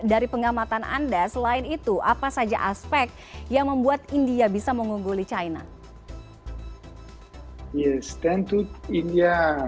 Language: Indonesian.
dari pengamatan anda selain itu apa saja aspek yang membuat india bisa mengungguli china